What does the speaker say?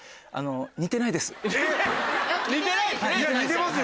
似てないですね。